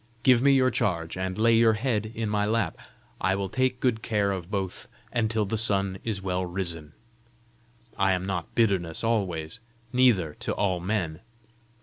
Give me your charge, and lay your head in my lap; I will take good care of both until the sun is well risen. I am not bitterness always, neither to all men!"